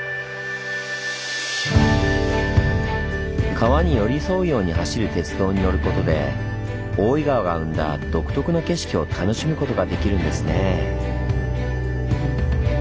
川に寄り添うように走る鉄道に乗ることで大井川が生んだ独特の景色を楽しむことができるんですねぇ。